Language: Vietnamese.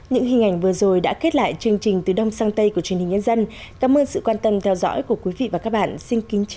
những hình ảnh vừa rồi đã kết lại chương trình từ đông sang tây của truyền hình nhân dân cảm ơn sự quan tâm theo dõi của quý vị và các bạn xin kính chào và hẹn gặp lại